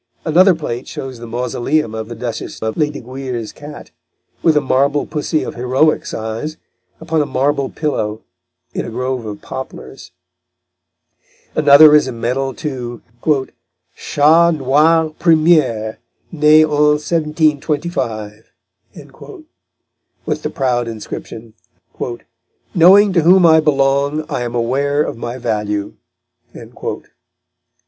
Another plate shows the mausoleum of the Duchess of Lesdiguières' cat, with a marble pussy of heroic size, upon a marble pillow, in a grove of poplars. Another is a medal to "Chat Noir premier, né en 1725," with the proud inscription, "Knowing to whom I belong, I am aware of my value."